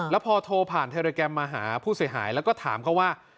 แล้วพอโทรผ่านเทราแกรมมาหาผู้เสียหายแล้วก็ถามเขาว่า